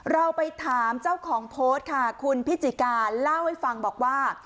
เราไปถามเจ้าของโพสต์ค่ะคุณพิจิกาเล่าให้ฟังบอกว่า